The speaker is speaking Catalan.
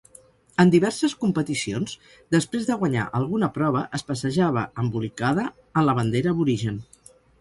En diverses competicions, després de guanyar alguna prova es passejava embolicada en la bandera aborigen.